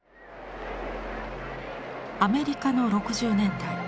アメリカの６０年代。